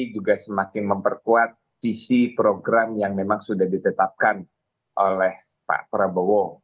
juga semakin memperkuat visi program yang memang sudah ditetapkan oleh pak prabowo